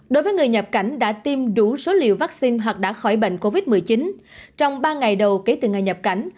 đối với người nhập cảnh đã tiêm đủ số liều vaccine hoặc đã khỏi bệnh covid một mươi chín trong ba ngày đầu kể từ ngày nhập cảnh